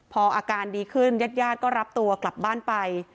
พออาการดีขึ้นญาติญาติก็รับตัวกลับบ้านไป